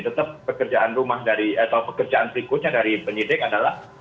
tetap pekerjaan rumah dari atau pekerjaan berikutnya dari penyidik adalah